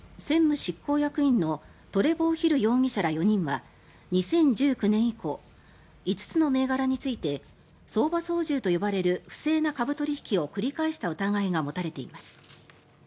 専務執行役員のトレボー・ヒル容疑者ら４人は２０１９年以降５つの銘柄について相場操縦と呼ばれる不正な株取引を繰り返した疑いが持たれています。